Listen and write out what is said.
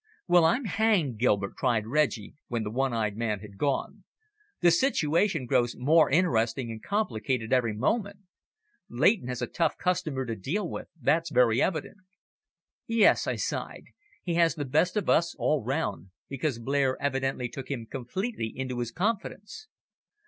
"Well, I'm hanged, Gilbert," cried Reggie, when the one eyed man had gone. "The situation grows more interesting and complicated every moment. Leighton has a tough customer to deal with, that's very evident." "Yes," I sighed. "He has the best of us all round, because Blair evidently took him completely into his confidence."